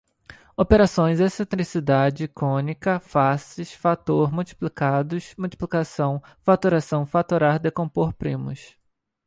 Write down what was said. operações, excentrincidade, cônica, faces, fator, multiplicados, multiplicação, fatoração, fatorar, decompor, primos